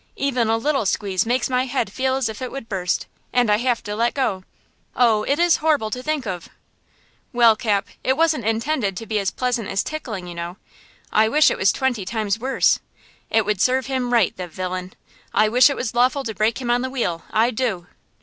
Even a little squeeze makes my head feel as if it would burst, and I have to let go! Oh, it is horrible to think of!" "Well, Cap, it wasn't intended to be as pleasant as tickling, you know. I wish it was twenty times worse! It would serve him right, the villain! I wish it was lawful to break him on the wheel–I do!"